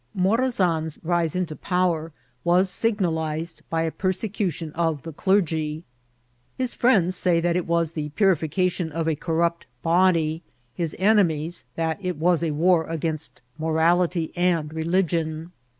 Mora san's rise into power was signalized by a persecution of the clergy : his friends say that it was the purification of a corrupt body ; his enemies, that it was a war against morality and religion.